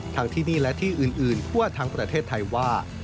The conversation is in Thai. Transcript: ที่นี่และที่อื่นทั่วทั้งประเทศไทยว่า